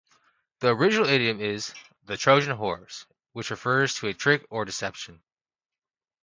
The original idiom is "The Trojan horse", which refers to a trick or deception.